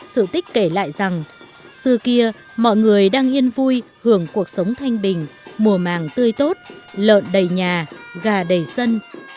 sự tích kể lại rằng xưa kia mọi người đang yên vui hưởng cuộc sống thanh bình mùa màng tươi tốt lợn đầy nhà gà đầy sân